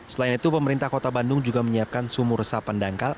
selain itu pemerintah kota bandung juga menyiapkan sumur resapan dangkal